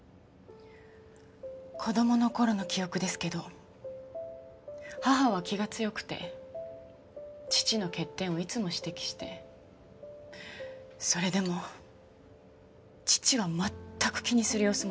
子供の頃の記憶ですけど母は気が強くて父の欠点をいつも指摘してそれでも父は全く気にする様子もなくて。